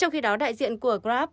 trong khi đó đại diện của grab